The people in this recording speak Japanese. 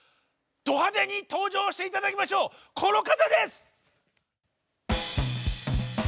ド派手に登場して頂きましょうこの方です！